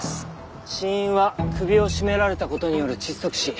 死因は首を絞められた事による窒息死。